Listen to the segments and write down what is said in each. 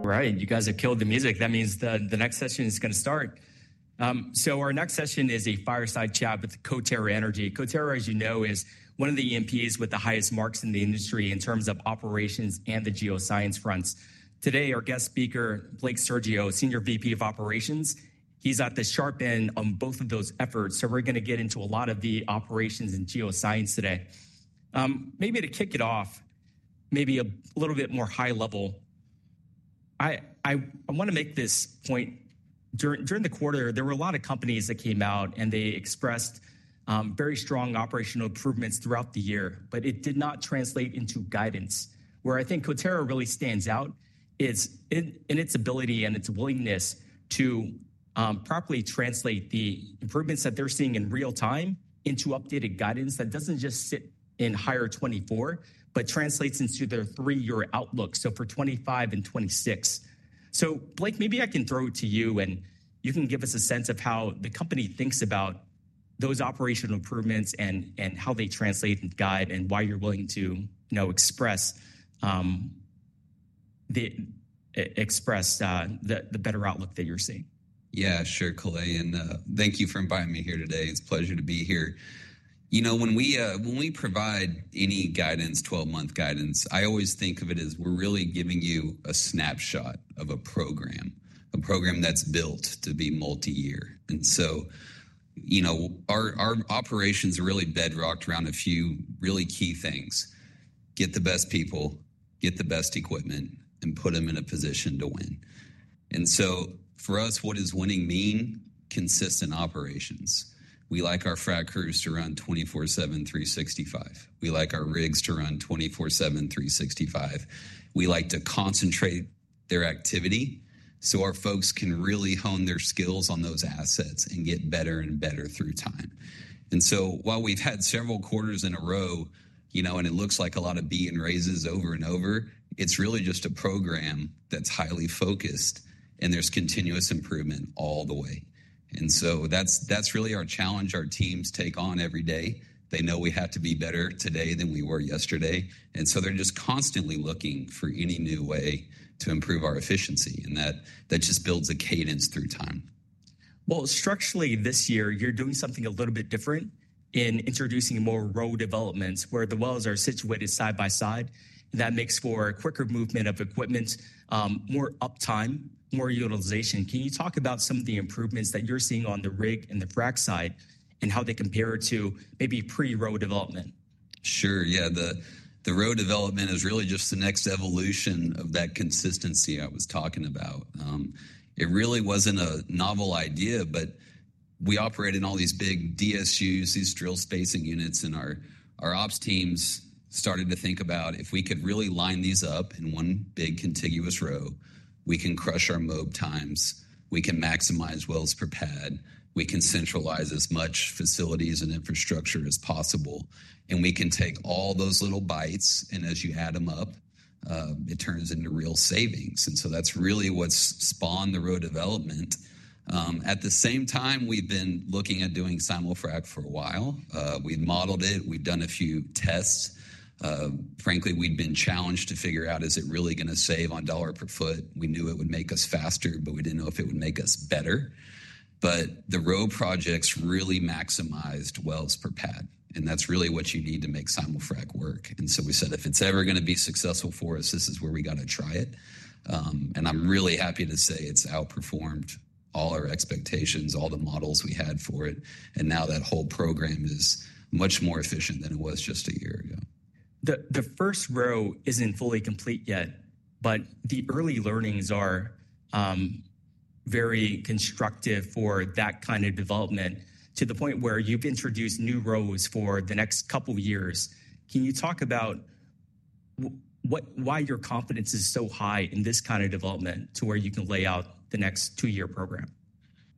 Right, and you guys have killed the music. That means the next session is going to start. So our next session is a fireside chat with Coterra Energy. Coterra, as you know, is one of the E&Ps with the highest marks in the industry in terms of operations and the geoscience fronts. Today, our guest speaker, Blake Sirgo, Senior VP of Operations, he's at the sharp end on both of those efforts. So we're going to get into a lot of the operations and geoscience today. Maybe to kick it off, maybe a little bit more high level, I want to make this point. During the quarter, there were a lot of companies that came out and they expressed very strong operational improvements throughout the year, but it did not translate into guidance. Where I think Coterra really stands out is in its ability and its willingness to properly translate the improvements that they're seeing in real time into updated guidance that doesn't just sit in higher 2024, but translates into their three-year outlook for 2025 and 2026. Blake, maybe I can throw it to you and you can give us a sense of how the company thinks about those operational improvements and how they translate and guide and why you're willing to express the better outlook that you're seeing. Yeah, sure, Colet, and thank you for inviting me here today. It's a pleasure to be here. You know, when we provide any guidance, 12-month guidance, I always think of it as we're really giving you a snapshot of a program, a program that's built to be multi-year, and so our operations are really bedrocked around a few really key things: get the best people, get the best equipment, and put them in a position to win, and so for us, what does winning mean? Consistent operations. We like our frac crews to run 24/7, 365. We like our rigs to run 24/7, 365. We like to concentrate their activity so our folks can really hone their skills on those assets and get better and better through time. While we've had several quarters in a row, you know, and it looks like a lot of beating raises over and over, it's really just a program that's highly focused and there's continuous improvement all the way. That's really our challenge our teams take on every day. They know we have to be better today than we were yesterday. They're just constantly looking for any new way to improve our efficiency. That just builds a cadence through time. Structurally this year, you're doing something a little bit different in introducing more row developments where the wells are situated side by side. That makes for a quicker movement of equipment, more uptime, more utilization. Can you talk about some of the improvements that you're seeing on the rig and the frac side and how they compare to maybe pre-row development? Sure, yeah. The row development is really just the next evolution of that consistency I was talking about. It really wasn't a novel idea, but we operate in all these big DSUs, these drill spacing units, and our ops teams started to think about if we could really line these up in one big contiguous row, we can crush our mob times, we can maximize wells per pad, we can centralize as much facilities and infrastructure as possible, and we can take all those little bites and as you add them up, it turns into real savings. And so that's really what's spawned the row development. At the same time, we've been looking at doing simul-frac for a while. We've modeled it, we've done a few tests. Frankly, we'd been challenged to figure out, is it really going to save on dollar per foot. We knew it would make us faster, but we didn't know if it would make us better, but the row projects really maximized wells per pad, and that's really what you need to make simul-frac work, and so we said, if it's ever going to be successful for us, this is where we got to try it, and I'm really happy to say it's outperformed all our expectations, all the models we had for it, and now that whole program is much more efficient than it was just a year ago. The first row isn't fully complete yet, but the early learnings are very constructive for that kind of development to the point where you've introduced new rows for the next couple of years. Can you talk about why your confidence is so high in this kind of development to where you can lay out the next two-year program?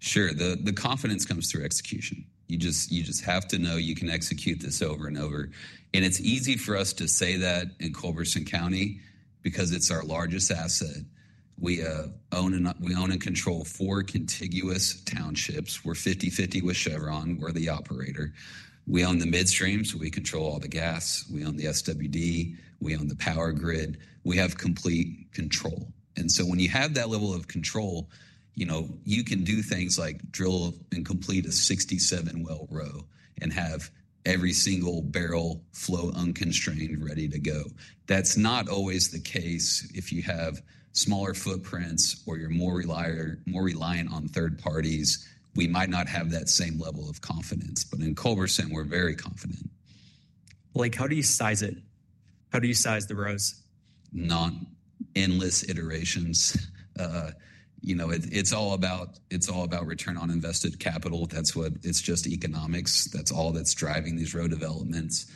Sure. The confidence comes through execution. You just have to know you can execute this over and over, and it's easy for us to say that in Culberson County because it's our largest asset. We own and control four contiguous townships. We're 50-50 with Chevron. We're the operator. We own the midstreams, we control all the gas, we own the SWD, we own the power grid. We have complete control, and so when you have that level of control, you know, you can do things like drill and complete a 67 well row and have every single barrel flow unconstrained ready to go. That's not always the case. If you have smaller footprints or you're more reliant on third parties, we might not have that same level of confidence, but in Culberson, we're very confident. Blake, how do you size it? How do you size the rows? Not endless iterations. You know, it's all about return on invested capital. That's what it's just economics. That's all that's driving these row developments.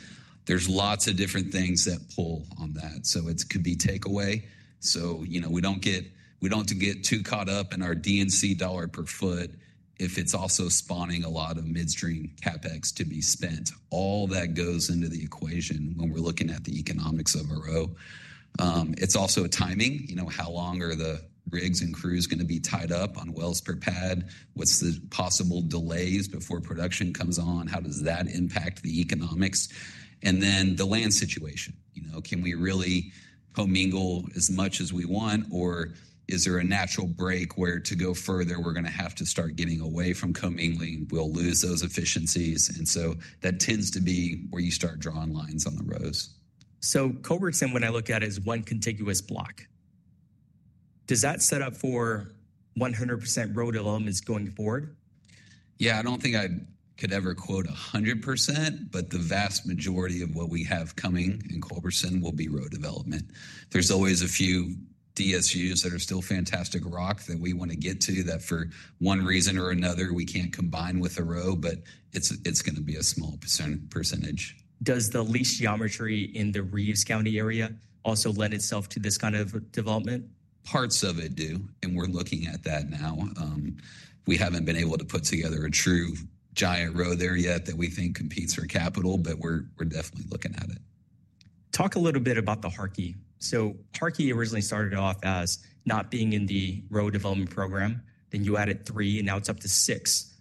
There's lots of different things that pull on that. So it could be takeaway. So, you know, we don't get too caught up in our D&C dollar per foot if it's also spawning a lot of midstream CapEx to be spent. All that goes into the equation when we're looking at the economics of a row. It's also timing. You know, how long are the rigs and crews going to be tied up on wells per pad? What's the possible delays before production comes on? How does that impact the economics? And then the land situation. You know, can we really commingle as much as we want or is there a natural break where to go further, we're going to have to start getting away from commingling? We'll lose those efficiencies, and so that tends to be where you start drawing lines on the rows. Culberson, when I look at it as one contiguous block, does that set up for 100% row developments going forward? Yeah, I don't think I could ever quote 100%, but the vast majority of what we have coming in Culberson will be row development. There's always a few DSUs that are still fantastic rock that we want to get to that for one reason or another we can't combine with a row, but it's going to be a small percentage. Does the lease geometry in the Reeves County area also lend itself to this kind of development? Parts of it do, and we're looking at that now. We haven't been able to put together a true giant row there yet that we think competes for capital, but we're definitely looking at it. Talk a little bit about the Harkey. So Harkey originally started off as not being in the row development program. Then you added three, and now it's up to six.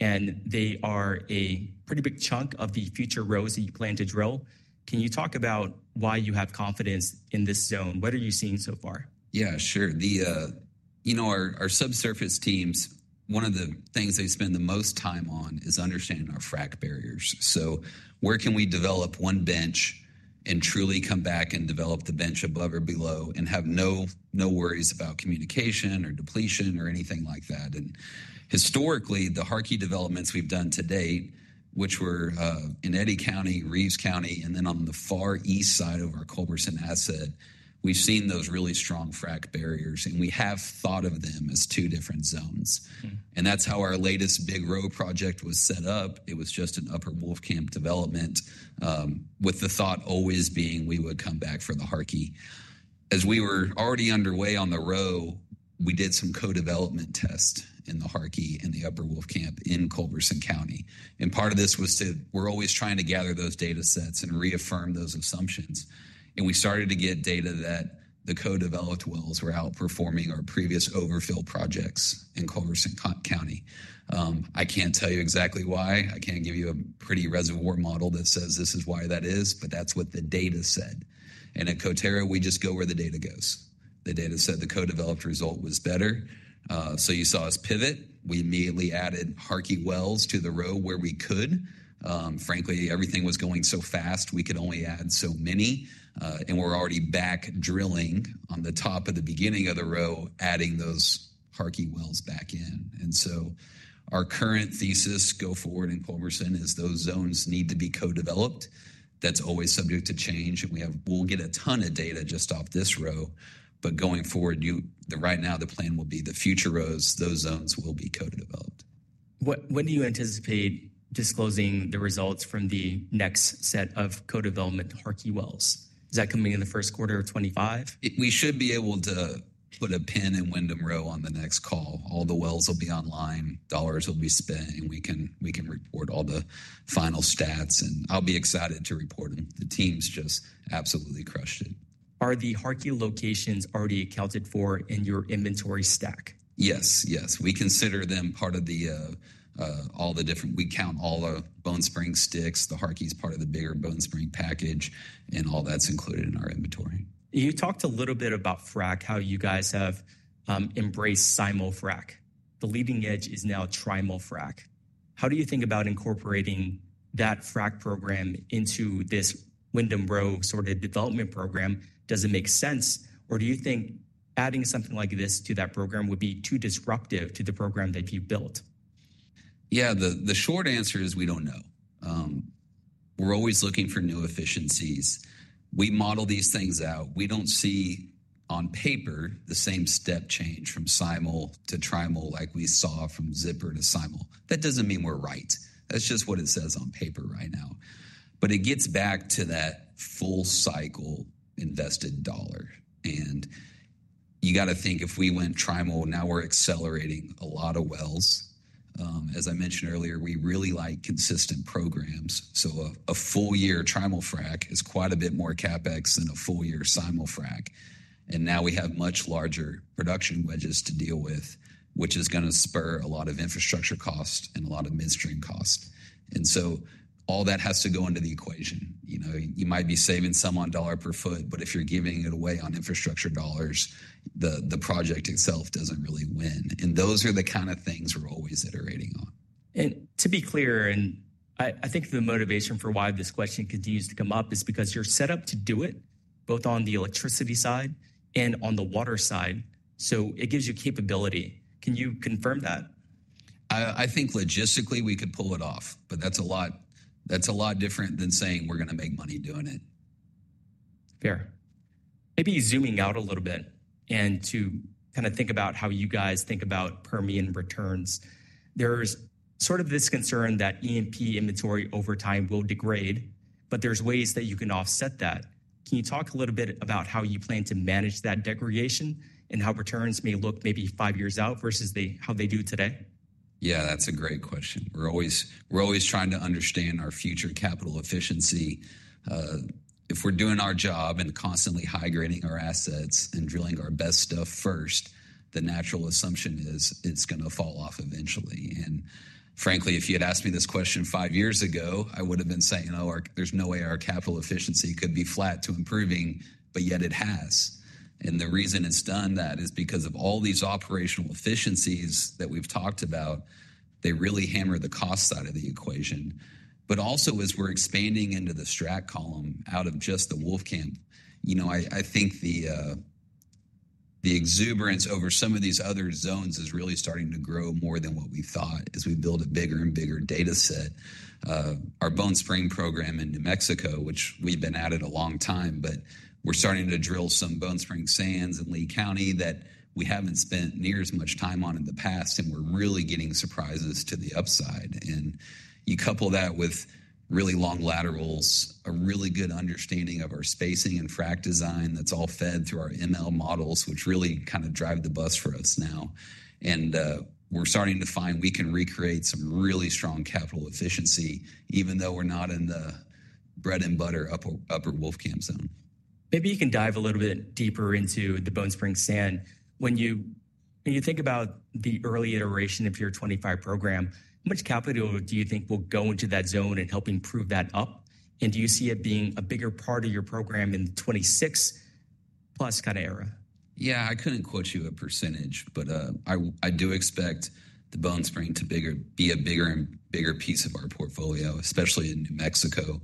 And they are a pretty big chunk of the future rows that you plan to drill. Can you talk about why you have confidence in this zone? What are you seeing so far? Yeah, sure. You know, our subsurface teams, one of the things they spend the most time on is understanding our frac barriers. So where can we develop one bench and truly come back and develop the bench above or below and have no worries about communication or depletion or anything like that? And historically, the Harkey developments we've done to date, which were in Eddy County, Reeves County, and then on the far east side of our Culberson asset, we've seen those really strong frac barriers, and we have thought of them as two different zones. And that's how our latest big row project was set up. It was just an Upper Wolfcamp development with the thought always being we would come back for the Harkey. As we were already underway on the row, we did some co-development tests in the Harkey and the upper Wolfcamp in Culberson County. And part of this was to, we're always trying to gather those data sets and reaffirm those assumptions. And we started to get data that the co-developed wells were outperforming our previous infill projects in Culberson County. I can't tell you exactly why. I can't give you a pretty reservoir model that says this is why that is, but that's what the data said. And at Coterra, we just go where the data goes. The data said the co-developed result was better. So you saw us pivot. We immediately added Harkey wells to the row where we could. Frankly, everything was going so fast, we could only add so many. We're already back drilling on the top of the beginning of the row, adding those Harkey wells back in. So our current thesis going forward in Culberson is those zones need to be co-developed. That's always subject to change. We'll get a ton of data just off this row. Going forward, right now the plan will be the future rows, those zones will be co-developed. When do you anticipate disclosing the results from the next set of co-development Harkey wells? Is that coming in the first quarter of 2025? We should be able to put a pin in Windham Row on the next call. All the wells will be online, dollars will be spent, and we can report all the final stats. And I'll be excited to report them. The team's just absolutely crushed it. Are the Harkey locations already accounted for in your inventory stack? Yes, yes. We consider them part of all the different, we count all the Bone Spring sticks. The Harkey's part of the bigger Bone Spring package, and all that's included in our inventory. You talked a little bit about frac, how you guys have embraced simul-frac. The leading edge is now trimul-frac. How do you think about incorporating that frac program into this Windham Row sort of development program? Does it make sense? Or do you think adding something like this to that program would be too disruptive to the program that you built? Yeah, the short answer is we don't know. We're always looking for new efficiencies. We model these things out. We don't see on paper the same step change from simul to trimal like we saw from zipper to simul. That doesn't mean we're right. That's just what it says on paper right now. But it gets back to that full cycle invested dollar. And you got to think if we went trimal, now we're accelerating a lot of wells. As I mentioned earlier, we really like consistent programs. So a full year trimal frac is quite a bit more CapEx than a full year simul frac. And now we have much larger production wedges to deal with, which is going to spur a lot of infrastructure costs and a lot of midstream costs. And so all that has to go into the equation. You might be saving some on dollar per foot, but if you're giving it away on infrastructure dollars, the project itself doesn't really win. And those are the kind of things we're always iterating on. To be clear, I think the motivation for why this question continues to come up is because you're set up to do it both on the electricity side and on the water side. It gives you capability. Can you confirm that? I think logistically we could pull it off, but that's a lot different than saying we're going to make money doing it. Fair. Maybe zooming out a little bit and to kind of think about how you guys think about Permian returns. There's sort of this concern that E&P inventory over time will degrade, but there's ways that you can offset that. Can you talk a little bit about how you plan to manage that degradation and how returns may look maybe five years out versus how they do today? Yeah, that's a great question. We're always trying to understand our future capital efficiency. If we're doing our job and constantly high grading our assets and drilling our best stuff first, the natural assumption is it's going to fall off eventually. And frankly, if you had asked me this question five years ago, I would have been saying, oh, there's no way our capital efficiency could be flat to improving, but yet it has. And the reason it's done that is because of all these operational efficiencies that we've talked about, they really hammer the cost side of the equation. But also as we're expanding into the Strat column out of just the Wolfcamp, you know, I think the exuberance over some of these other zones is really starting to grow more than what we thought as we build a bigger and bigger data set. Our Bone Spring program in New Mexico, which we've been at it a long time, but we're starting to drill some Bone Spring sands in Lea County that we haven't spent near as much time on in the past, and we're really getting surprises to the upside, and you couple that with really long laterals, a really good understanding of our spacing and frac design that's all fed through our ML models, which really kind of drive the bus for us now, and we're starting to find we can recreate some really strong capital efficiency, even though we're not in the bread and butter Upper Wolfcamp zone. Maybe you can dive a little bit deeper into the Bone Spring sand. When you think about the early iteration of your 2025 program, how much capital do you think will go into that zone and help improve that up? And do you see it being a bigger part of your program in the 2026 plus kind of era? Yeah, I couldn't quote you a percentage, but I do expect the Bone Spring to be a bigger and bigger piece of our portfolio, especially in New Mexico.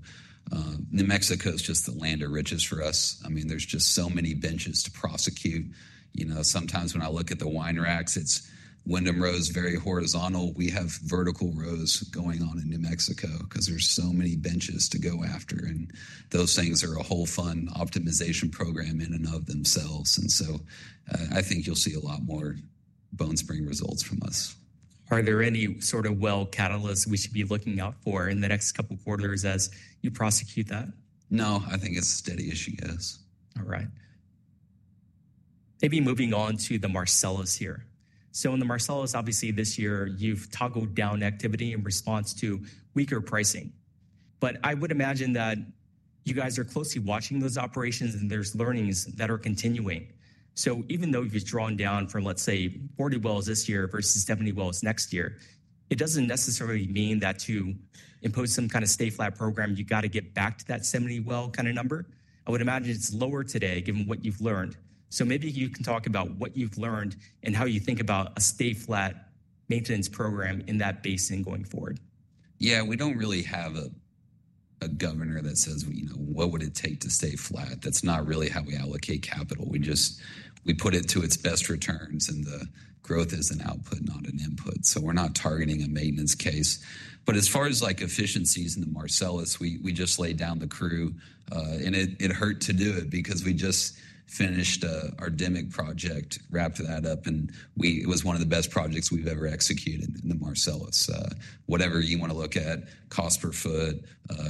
New Mexico is just the land of riches for us. I mean, there's just so many benches to prosecute. You know, sometimes when I look at the wine racks, it's Windham Row's very horizontal. We have vertical rows going on in New Mexico because there's so many benches to go after. And those things are a whole fun optimization program in and of themselves. And so I think you'll see a lot more Bone Spring results from us. Are there any sort of well catalysts we should be looking out for in the next couple of quarters as you prosecute that? No, I think it's a steady issue, yes. All right. Maybe moving on to the Marcellus here, so in the Marcellus, obviously this year you've toggled down activity in response to weaker pricing, but I would imagine that you guys are closely watching those operations and there's learnings that are continuing, so even though you've drawn down from, let's say, 40 wells this year versus 70 wells next year, it doesn't necessarily mean that to impose some kind of stay flat program, you got to get back to that 70 well kind of number. I would imagine it's lower today given what you've learned, so maybe you can talk about what you've learned and how you think about a stay flat maintenance program in that basin going forward. Yeah, we don't really have a governor that says, you know, what would it take to stay flat? That's not really how we allocate capital. We just, we put it to its best returns and the growth is an output, not an input. So we're not targeting a maintenance case. But as far as like efficiencies in the Marcellus, we just laid down the crew. And it hurt to do it because we just finished our Dimock project, wrapped that up, and it was one of the best projects we've ever executed in the Marcellus. Whatever you want to look at, cost per foot,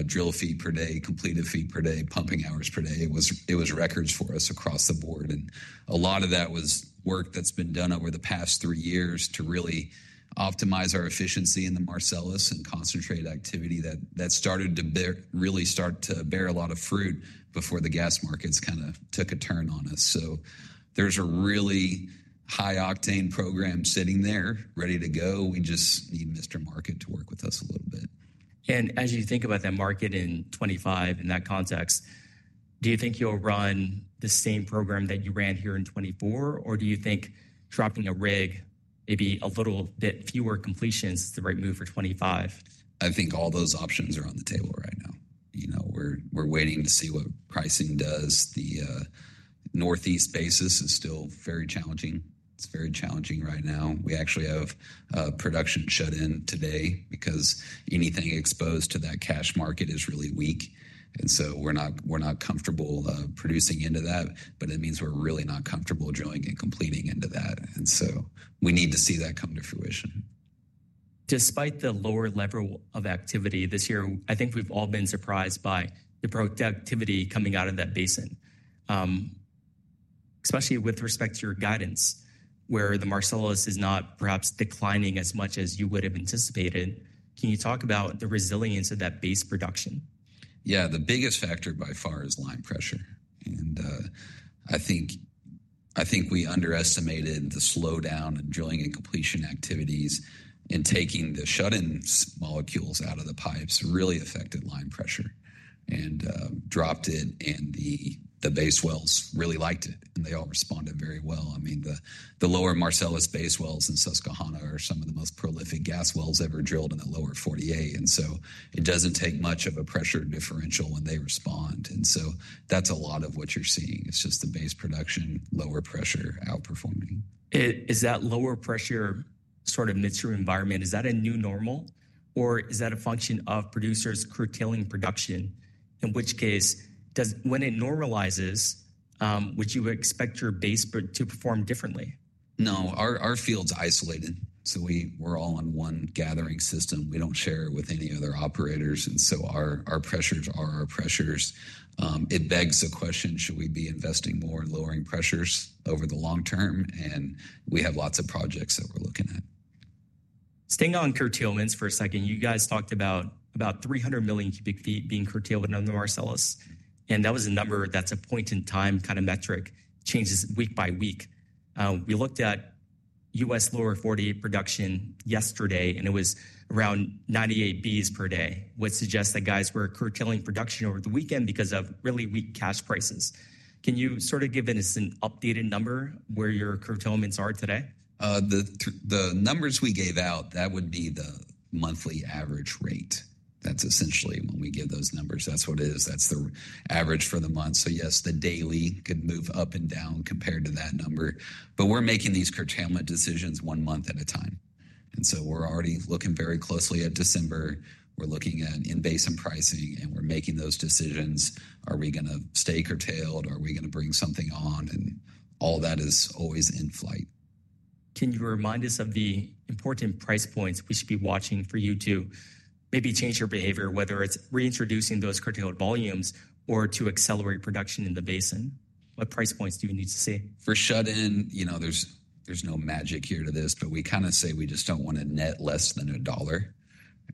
drill feet per day, completed feet per day, pumping hours per day, it was records for us across the board. A lot of that was work that's been done over the past three years to really optimize our efficiency in the Marcellus and concentrate activity that started to really bear a lot of fruit before the gas markets kind of took a turn on us. There's a really high octane program sitting there ready to go. We just need Mr. Market to work with us a little bit. As you think about that market in 2025 in that context, do you think you'll run the same program that you ran here in 2024, or do you think dropping a rig, maybe a little bit fewer completions, is the right move for 2025? I think all those options are on the table right now. You know, we're waiting to see what pricing does. The northeast basis is still very challenging. It's very challenging right now. We actually have production shut in today because anything exposed to that cash market is really weak. And so we're not comfortable producing into that, but it means we're really not comfortable drilling and completing into that. And so we need to see that come to fruition. Despite the lower level of activity this year, I think we've all been surprised by the productivity coming out of that basin, especially with respect to your guidance, where the Marcellus is not perhaps declining as much as you would have anticipated. Can you talk about the resilience of that base production? Yeah, the biggest factor by far is line pressure. And I think we underestimated the slowdown in drilling and completion activities and taking the shut-in molecules out of the pipes really affected line pressure and dropped it. And the base wells really liked it, and they all responded very well. I mean, the lower Marcellus base wells in Susquehanna are some of the most prolific gas wells ever drilled in the lower 48. And so it doesn't take much of a pressure differential when they respond. And so that's a lot of what you're seeing. It's just the base production, lower pressure outperforming. Is that lower pressure sort of midstream environment, is that a new normal, or is that a function of producers curtailing production? In which case, when it normalizes, would you expect your base to perform differently? No, our field's isolated, so we're all on one gathering system. We don't share it with any other operators, and so our pressures are our pressures. It begs the question, should we be investing more in lowering pressures over the long term, and we have lots of projects that we're looking at. Staying on curtailments for a second, you guys talked about 300 million cubic feet being curtailed under the Marcellus. That was a number that's a point in time kind of metric, changes week by week. We looked at U.S. lower 48 production yesterday, and it was around 98 Bcf per day, which suggests that guys were curtailing production over the weekend because of really weak cash prices. Can you sort of give us an updated number where your curtailments are today? The numbers we gave out, that would be the monthly average rate. That's essentially when we give those numbers. That's what it is. That's the average for the month. So yes, the daily could move up and down compared to that number. But we're making these curtailment decisions one month at a time. And so we're already looking very closely at December. We're looking at in basin pricing, and we're making those decisions. Are we going to stay curtailed? Are we going to bring something on? And all that is always in flight. Can you remind us of the important price points we should be watching for you to maybe change your behavior, whether it's reintroducing those curtailed volumes or to accelerate production in the basin? What price points do you need to see? For shut-in, you know, there's no magic here to this, but we kind of say we just don't want to net less than $1.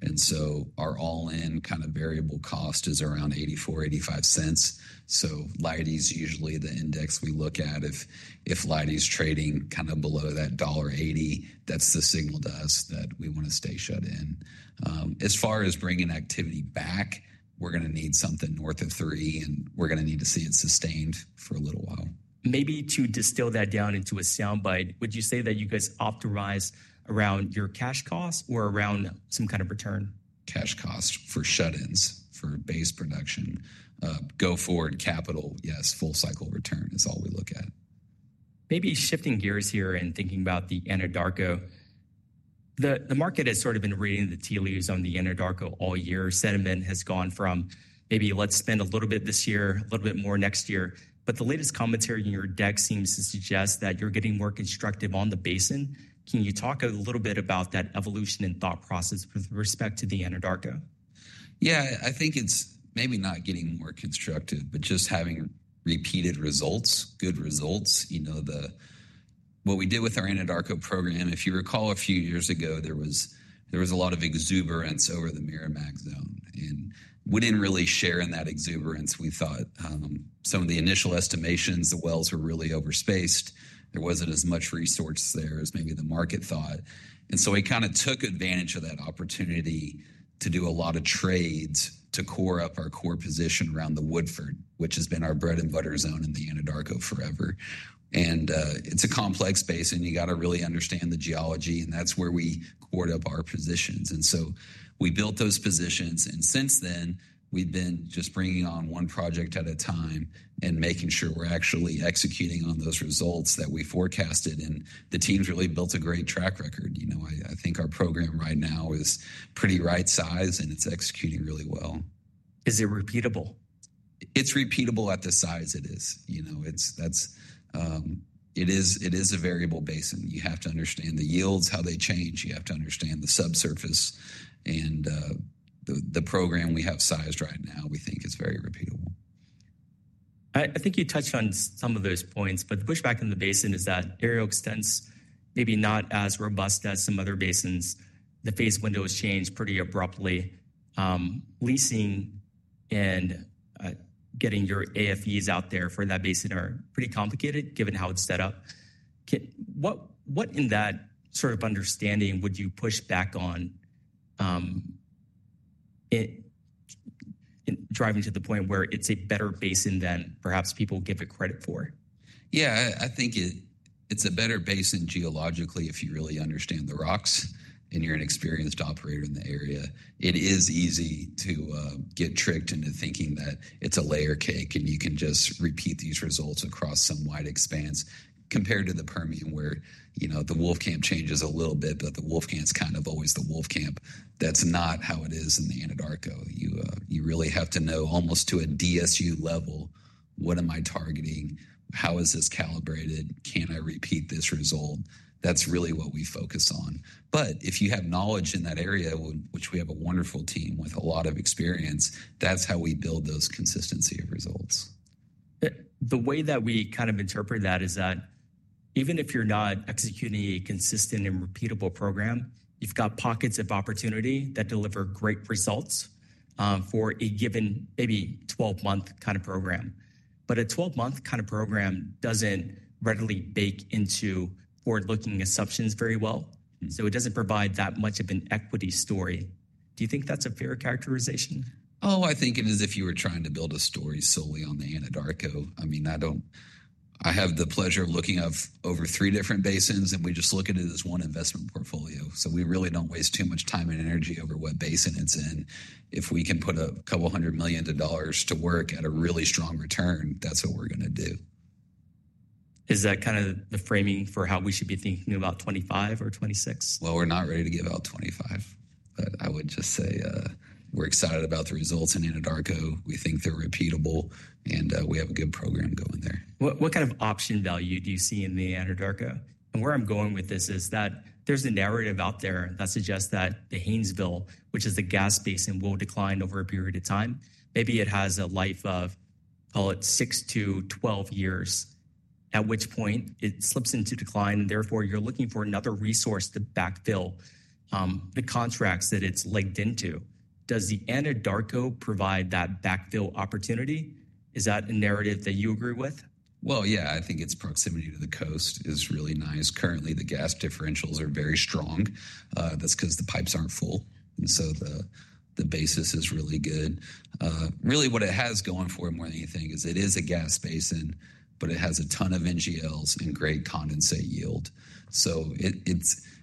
And so our all-in kind of variable cost is around $0.84-$0.85. So light is usually the index we look at. If light is trading kind of below that $1.80, that's the signal to us that we want to stay shut in. As far as bringing activity back, we're going to need something north of $3, and we're going to need to see it sustained for a little while. Maybe to distill that down into a sound bite, would you say that you guys optimize around your cash cost or around some kind of return? Cash cost for shut-ins for base production. Go-forward capital, yes, full cycle return is all we look at. Maybe shifting gears here and thinking about the Anadarko, the market has sort of been reading the tea leaves on the Anadarko all year. Sentiment has gone from maybe let's spend a little bit this year, a little bit more next year. But the latest commentary in your deck seems to suggest that you're getting more constructive on the basin. Can you talk a little bit about that evolution in thought process with respect to the Anadarko? Yeah, I think it's maybe not getting more constructive, but just having repeated results, good results. You know, what we did with our Anadarko program, if you recall a few years ago, there was a lot of exuberance over the Meramec zone, and we didn't really share in that exuberance. We thought some of the initial estimations, the wells were really overspaced. There wasn't as much resource there as maybe the market thought, and so we kind of took advantage of that opportunity to do a lot of trades to core up our core position around the Woodford, which has been our bread and butter zone in the Anadarko forever, and it's a complex basin. You got to really understand the geology, and that's where we core up our positions, and so we built those positions. Since then, we've been just bringing on one project at a time and making sure we're actually executing on those results that we forecasted. The team's really built a great track record. You know, I think our program right now is pretty right size, and it's executing really well. Is it repeatable? It's repeatable at the size it is. You know, it is a variable basin. You have to understand the yields, how they change. You have to understand the subsurface, and the program we have sized right now, we think it's very repeatable. I think you touched on some of those points, but the pushback in the basin is that aerial extents maybe not as robust as some other basins. The phase window has changed pretty abruptly. Leasing and getting your AFEs out there for that basin are pretty complicated given how it's set up. What in that sort of understanding would you push back on driving to the point where it's a better basin than perhaps people give it credit for? Yeah, I think it's a better basin geologically if you really understand the rocks and you're an experienced operator in the area. It is easy to get tricked into thinking that it's a layer cake and you can just repeat these results across some wide expanse compared to the Permian where, you know, the Wolfcamp changes a little bit, but the Wolfcamp's kind of always the Wolfcamp. That's not how it is in the Anadarko. You really have to know almost to a DSU level, what am I targeting? How is this calibrated? Can I repeat this result? That's really what we focus on. But if you have knowledge in that area, which we have a wonderful team with a lot of experience, that's how we build those consistency of results. The way that we kind of interpret that is that even if you're not executing a consistent and repeatable program, you've got pockets of opportunity that deliver great results for a given maybe 12-month kind of program. But a 12-month kind of program doesn't readily bake into forward-looking assumptions very well. So it doesn't provide that much of an equity story. Do you think that's a fair characterization? Oh, I think it is if you were trying to build a story solely on the Anadarko. I mean, I don't, I have the pleasure of looking at over three different basins, and we just look at it as one investment portfolio. So we really don't waste too much time and energy over what basin it's in. If we can put $200 million to work at a really strong return, that's what we're going to do. Is that kind of the framing for how we should be thinking about 2025 or 2026? We're not ready to give out 2025, but I would just say we're excited about the results in Anadarko. We think they're repeatable, and we have a good program going there. What kind of option value do you see in the Anadarko? And where I'm going with this is that there's a narrative out there that suggests that the Haynesville, which is the gas basin, will decline over a period of time. Maybe it has a life of, call it six to 12 years, at which point it slips into decline. And therefore, you're looking for another resource to backfill the contracts that it's legged into. Does the Anadarko provide that backfill opportunity? Is that a narrative that you agree with? Yeah, I think its proximity to the coast is really nice. Currently, the gas differentials are very strong. That's because the pipes aren't full, so the basis is really good. Really, what it has going for it more than anything is it is a gas basin, but it has a ton of NGLs and great condensate yield, so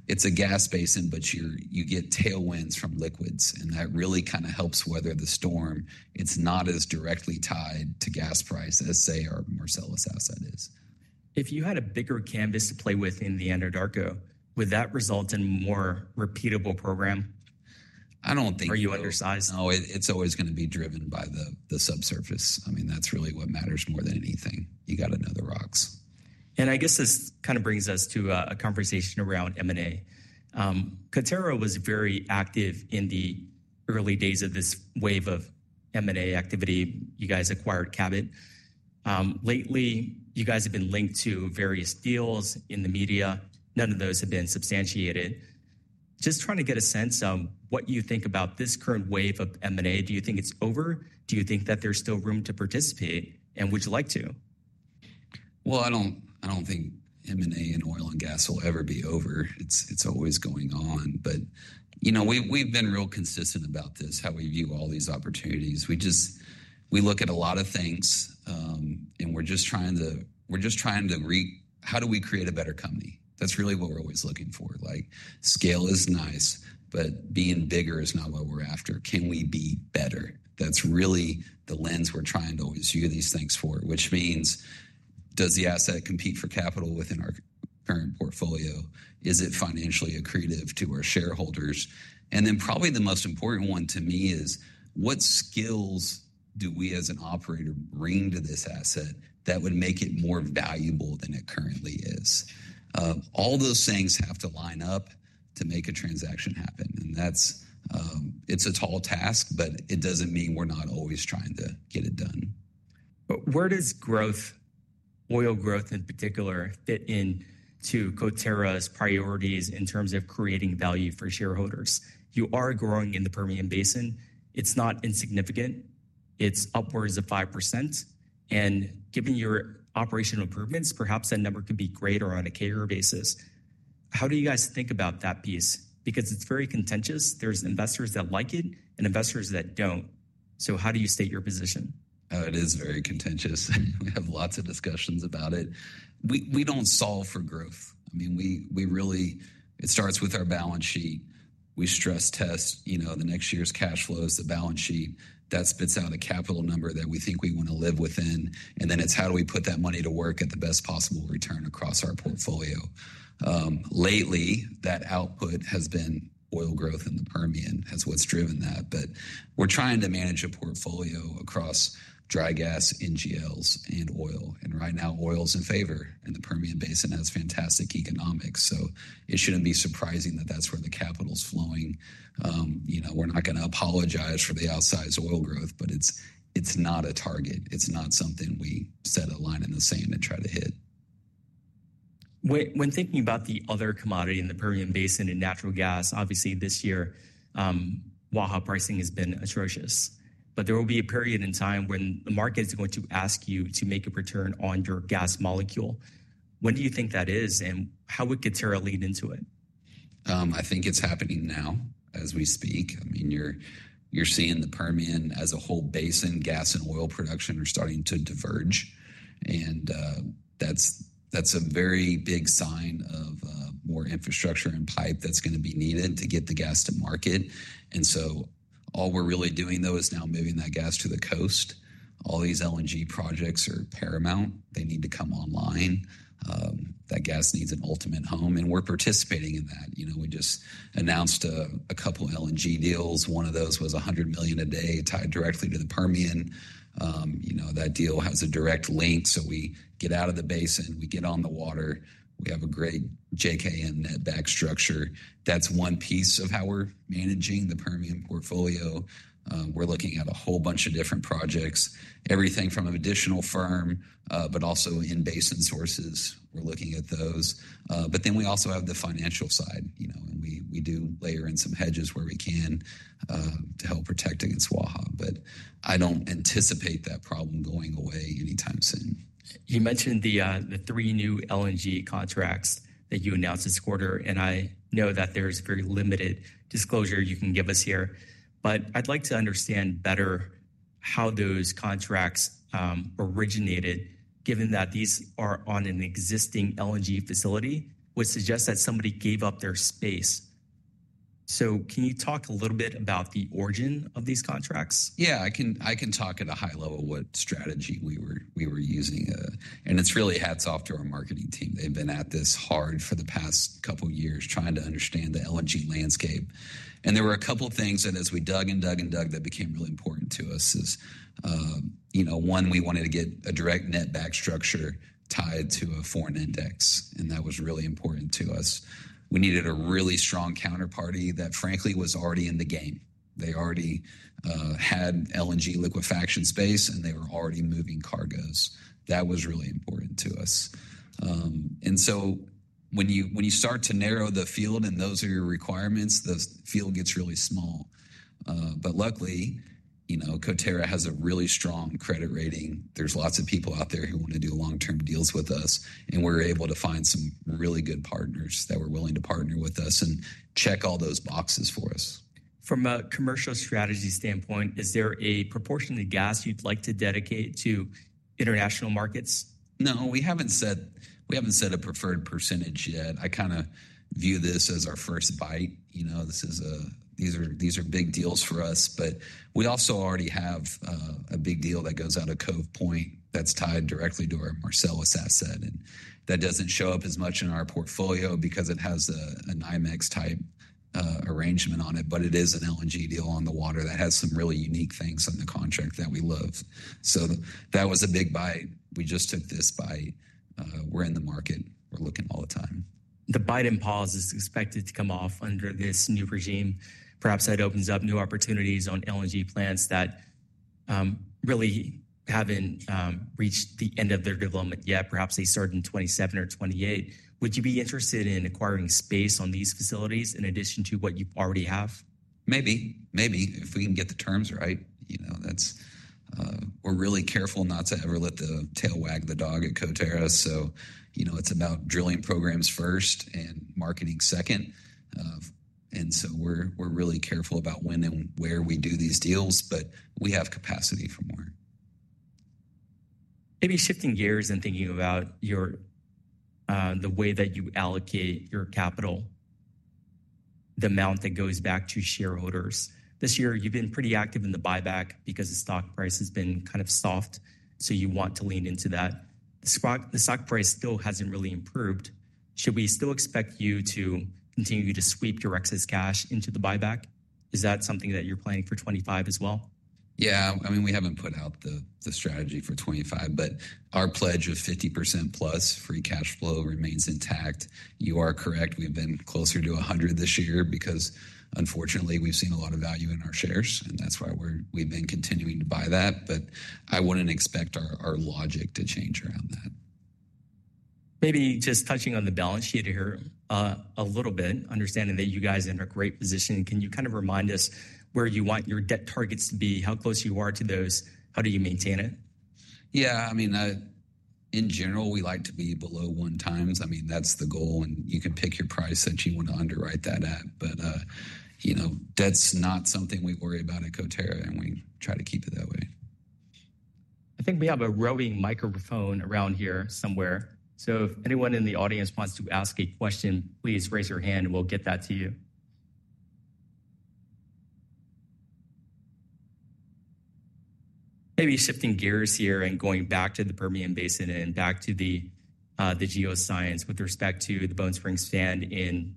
it's a gas basin, but you get tailwinds from liquids, and that really kind of helps weather the storm. It's not as directly tied to gas price as, say, our Marcellus asset is. If you had a bigger canvas to play with in the Anadarko, would that result in a more repeatable program? I don't think. Are you undersized? No, it's always going to be driven by the subsurface. I mean, that's really what matters more than anything. You got to know the rocks. I guess this kind of brings us to a conversation around M&A. Coterra was very active in the early days of this wave of M&A activity. You guys acquired Cabot. Lately, you guys have been linked to various deals in the media. None of those have been substantiated. Just trying to get a sense of what you think about this current wave of M&A. Do you think it's over? Do you think that there's still room to participate? Would you like to? I don't think M&A in oil and gas will ever be over. It's always going on, but you know, we've been real consistent about this, how we view all these opportunities. We just look at a lot of things, and we're just trying to read how do we create a better company? That's really what we're always looking for. Like, scale is nice, but being bigger is not what we're after. Can we be better? That's really the lens we're trying to always view these things for, which means, does the asset compete for capital within our current portfolio? Is it financially accretive to our shareholders, and then probably the most important one to me is what skills do we as an operator bring to this asset that would make it more valuable than it currently is? All those things have to line up to make a transaction happen, and that's, it's a tall task, but it doesn't mean we're not always trying to get it done. But where does growth, oil growth in particular, fit into Coterra's priorities in terms of creating value for shareholders? You are growing in the Permian Basin. It's not insignificant. It's upwards of 5%. And given your operational improvements, perhaps that number could be greater on a Coterra basis. How do you guys think about that piece? Because it's very contentious. There's investors that like it and investors that don't. So how do you state your position? It is very contentious. We have lots of discussions about it. We don't solve for growth. I mean, we really, it starts with our balance sheet. We stress test, you know, the next year's cash flows, the balance sheet. That spits out a capital number that we think we want to live within. And then it's how do we put that money to work at the best possible return across our portfolio. Lately, that output has been oil growth in the Permian has what's driven that. But we're trying to manage a portfolio across dry gas, NGLs, and oil. And right now, oil's in favor in the Permian Basin has fantastic economics. So it shouldn't be surprising that that's where the capital's flowing. You know, we're not going to apologize for the outsized oil growth, but it's not a target. It's not something we set a line in the sand and try to hit. When thinking about the other commodity in the Permian Basin and natural gas, obviously this year, Waha pricing has been atrocious. But there will be a period in time when the market is going to ask you to make a return on your gas molecule. When do you think that is and how would Coterra lead into it? I think it's happening now as we speak. I mean, you're seeing the Permian as a whole basin, gas and oil production are starting to diverge, and that's a very big sign of more infrastructure and pipe that's going to be needed to get the gas to market, and so all we're really doing though is now moving that gas to the coast. All these LNG projects are paramount. They need to come online. That gas needs an ultimate home, and we're participating in that. You know, we just announced a couple of LNG deals. One of those was 100 million a day tied directly to the Permian. You know, that deal has a direct link, so we get out of the basin, we get on the water, we have a great JKM net back structure. That's one piece of how we're managing the Permian portfolio. We're looking at a whole bunch of different projects, everything from an additional firm, but also in basin sources. We're looking at those. But then we also have the financial side, you know, and we do layer in some hedges where we can to help protect against Waha. But I don't anticipate that problem going away anytime soon. You mentioned the three new LNG contracts that you announced this quarter, and I know that there's very limited disclosure you can give us here, but I'd like to understand better how those contracts originated, given that these are on an existing LNG facility, which suggests that somebody gave up their space, so can you talk a little bit about the origin of these contracts? Yeah, I can talk at a high level what strategy we were using. And it's really hats off to our marketing team. They've been at this hard for the past couple of years trying to understand the LNG landscape. And there were a couple of things that as we dug and dug and dug that became really important to us is, you know, one, we wanted to get a direct net back structure tied to a foreign index. And that was really important to us. We needed a really strong counterparty that frankly was already in the game. They already had LNG liquefaction space and they were already moving cargoes. That was really important to us. And so when you start to narrow the field and those are your requirements, the field gets really small. But luckily, you know, Coterra has a really strong credit rating. There's lots of people out there who want to do long-term deals with us, and we're able to find some really good partners that were willing to partner with us and check all those boxes for us. From a commercial strategy standpoint, is there a proportion of the gas you'd like to dedicate to international markets? No, we haven't said a preferred percentage yet. I kind of view this as our first bite. You know, these are big deals for us. But we also already have a big deal that goes out of Cove Point that's tied directly to our Marcellus asset. And that doesn't show up as much in our portfolio because it has an index type arrangement on it. But it is an LNG deal on the water that has some really unique things on the contract that we love. So that was a big bite. We just took this bite. We're in the market. We're looking all the time. The Biden pause is expected to come off under this new regime. Perhaps that opens up new opportunities on LNG plants that really haven't reached the end of their development yet. Perhaps they start in 2027 or 2028. Would you be interested in acquiring space on these facilities in addition to what you already have? Maybe. Maybe if we can get the terms right. You know, we're really careful not to ever let the tail wag the dog at Coterra, so you know, it's about drilling programs first and marketing second, and so we're really careful about when and where we do these deals, but we have capacity for more. Maybe shifting gears and thinking about the way that you allocate your capital, the amount that goes back to shareholders. This year, you've been pretty active in the buyback because the stock price has been kind of soft. So you want to lean into that. The stock price still hasn't really improved. Should we still expect you to continue to sweep your excess cash into the buyback? Is that something that you're planning for 2025 as well? Yeah. I mean, we haven't put out the strategy for 2025, but our pledge of 50% plus free cash flow remains intact. You are correct. We've been closer to 100% this year because unfortunately, we've seen a lot of value in our shares. And that's why we've been continuing to buy that. But I wouldn't expect our logic to change around that. Maybe just touching on the balance sheet here a little bit, understanding that you guys are in a great position. Can you kind of remind us where you want your debt targets to be, how close you are to those? How do you maintain it? Yeah. I mean, in general, we like to be below one times. I mean, that's the goal. And you can pick your price that you want to underwrite that at. But, you know, debt's not something we worry about at Coterra. And we try to keep it that way. I think we have a roving microphone around here somewhere. So if anyone in the audience wants to ask a question, please raise your hand and we'll get that to you. Maybe shifting gears here and going back to the Permian Basin and back to the geoscience with respect to the Bone Spring sand in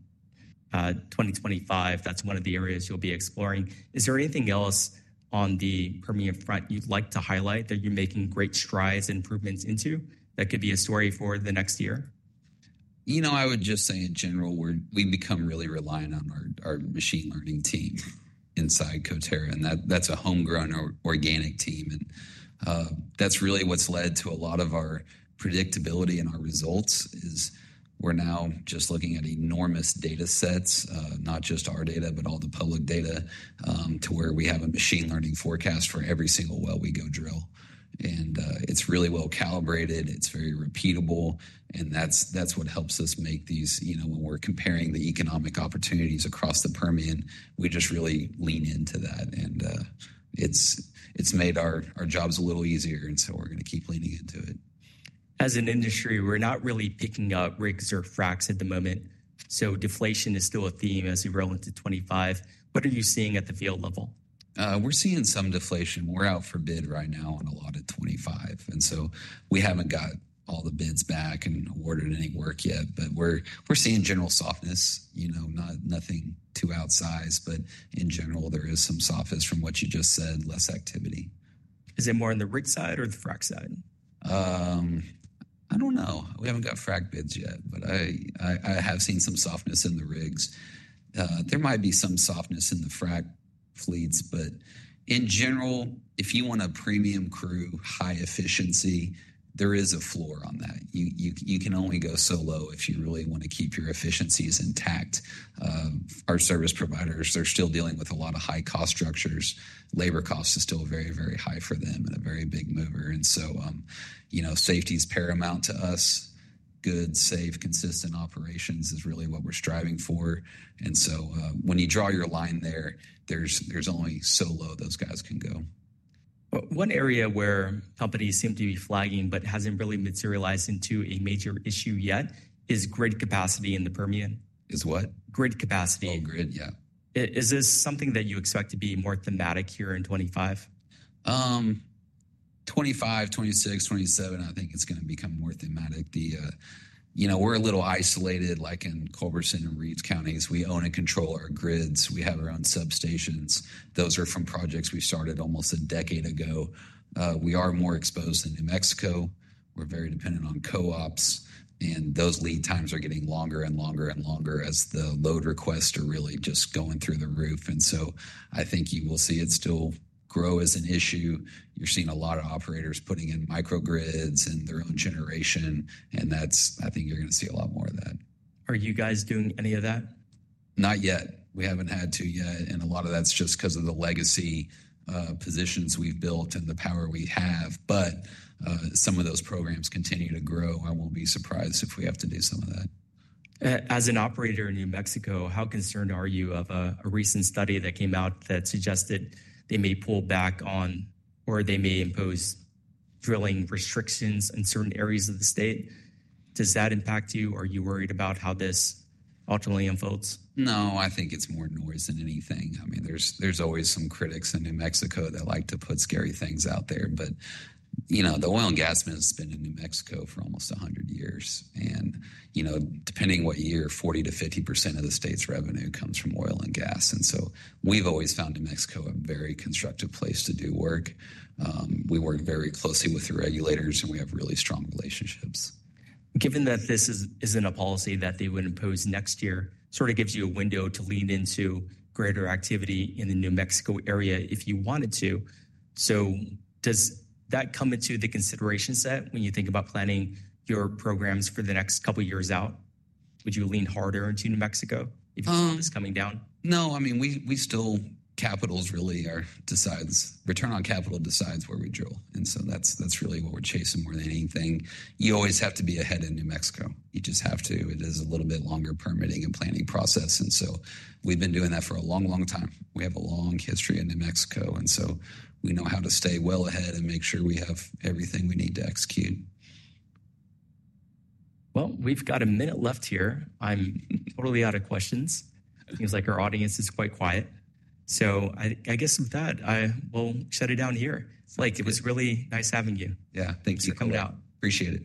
2025. That's one of the areas you'll be exploring. Is there anything else on the Permian front you'd like to highlight that you're making great strides and improvements into that could be a story for the next year? You know, I would just say in general, we become really reliant on our machine learning team inside Coterra. And that's a homegrown organic team. And that's really what's led to a lot of our predictability and our results is we're now just looking at enormous data sets, not just our data, but all the public data to where we have a machine learning forecast for every single well we go drill. And it's really well calibrated. It's very repeatable. And that's what helps us make these, you know, when we're comparing the economic opportunities across the Permian, we just really lean into that. And it's made our jobs a little easier. And so we're going to keep leaning into it. As an industry, we're not really picking up rigs or fracs at the moment. So deflation is still a theme as we roll into 2025. What are you seeing at the field level? We're seeing some deflation. We're out for bid right now on a lot at 2025, and so we haven't got all the bids back and awarded any work yet, but we're seeing general softness, you know, nothing too outsized, but in general, there is some softness from what you just said, less activity. Is it more on the rig side or the frac side? I don't know. We haven't got frac bids yet, but I have seen some softness in the rigs. There might be some softness in the frac fleets. But in general, if you want a premium crew, high efficiency, there is a floor on that. You can only go so low if you really want to keep your efficiencies intact. Our service providers, they're still dealing with a lot of high cost structures. Labor costs are still very, very high for them and a very big mover. And so, you know, safety is paramount to us. Good, safe, consistent operations is really what we're striving for. And so when you draw your line there, there's only so low those guys can go. But one area where companies seem to be flagging but hasn't really materialized into a major issue yet is grid capacity in the Permian. Is what? Grid capacity. Oh, grid, yeah. Is this something that you expect to be more thematic here in 2025? 2025, 2026, 2027, I think it's going to become more thematic. You know, we're a little isolated like in Culberson and Reeves counties. We own and control our grids. We have our own substations. Those are from projects we started almost a decade ago. We are more exposed than New Mexico. We're very dependent on co-ops. And those lead times are getting longer and longer and longer as the load requests are really just going through the roof. And so I think you will see it still grow as an issue. You're seeing a lot of operators putting in microgrids and their own generation. And that's, I think you're going to see a lot more of that. Are you guys doing any of that? Not yet. We haven't had to yet. And a lot of that's just because of the legacy positions we've built and the power we have. But some of those programs continue to grow. I won't be surprised if we have to do some of that. As an operator in New Mexico, how concerned are you of a recent study that came out that suggested they may pull back on or they may impose drilling restrictions in certain areas of the state? Does that impact you? Are you worried about how this ultimately unfolds? No, I think it's more noise than anything. I mean, there's always some critics in New Mexico that like to put scary things out there. But, you know, the oil and gas has been in New Mexico for almost 100 years. And, you know, depending on what year, 40%-50% of the state's revenue comes from oil and gas. And so we've always found New Mexico a very constructive place to do work. We work very closely with the regulators and we have really strong relationships. Given that this isn't a policy that they would impose next year, sort of gives you a window to lean into greater activity in the New Mexico area if you wanted to. So does that come into the consideration set when you think about planning your programs for the next couple of years out? Would you lean harder into New Mexico if you saw this coming down? No, I mean, we still, capital is really what decides, return on capital decides where we drill. And so that's really what we're chasing more than anything. You always have to be ahead in New Mexico. You just have to. It is a little bit longer permitting and planning process. And so we've been doing that for a long, long time. We have a long history in New Mexico. And so we know how to stay well ahead and make sure we have everything we need to execute. Well, we've got a minute left here. I'm totally out of questions. It seems like our audience is quite quiet. So I guess with that, I will shut it down here. It's like, it was really nice having you. Yeah, thank you for coming out. Appreciate it.